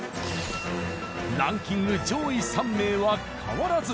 ランキング上位３名は変わらず。